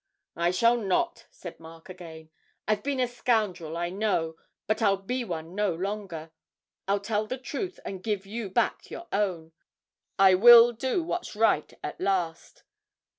'I shall not,' said Mark again. 'I've been a scoundrel, I know, but I'll be one no longer; I'll tell the truth and give you back your own. I will do what's right at last!'